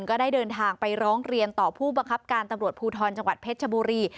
ก็ได้เดินทางไปร้องเรียนต่อผู้บังคับการตำรวจภูทรจังหวัดเพชรชบุรี